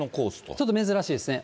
ちょっと珍しいですね。